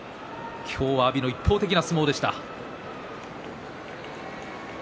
今日は阿炎の一方的な相撲でした。